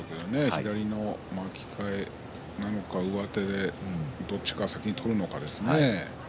左の巻き替えなのか上手、どっちが先に取るかですね。